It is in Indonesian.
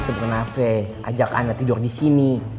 nanti bu nave ajak anda tidur di sini